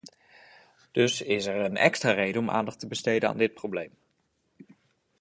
Dus er is een extra reden om aandacht te besteden aan dit probleem.